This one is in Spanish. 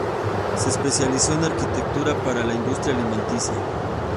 Se especializó en arquitectura para la industria alimenticia.